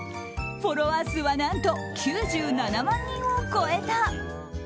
フォロワー数は何と９７万人を超えた。